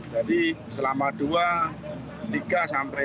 jadi selama dua tiga sampai tiga hari